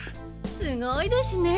すごいですね！